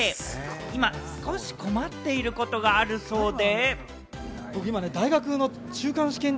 今、少し困っていることがあるそうで。